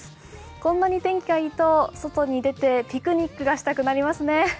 こんなに天気がいいと外に出てピクニックがしたくなりますね。